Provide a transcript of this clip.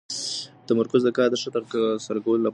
تمرکز د کار د ښه ترسره کېدو سبب ګرځي.